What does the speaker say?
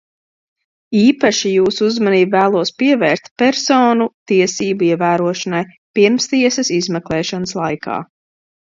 Īpaši jūsu uzmanību vēlos pievērst personu tiesību ievērošanai pirmstiesas izmeklēšanas laikā.